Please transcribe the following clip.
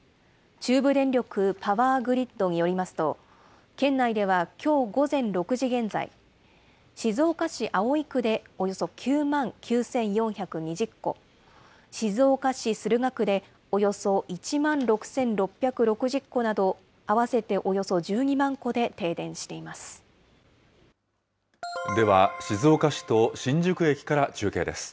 中部電力パワーグリッドによりますと、県内ではきょう午前６時現在、静岡市葵区でおよそ９万９４２０戸、静岡市駿河区でおよそ１万６６６０戸など、合わせておよそ１２万では、静岡市と新宿駅から中継です。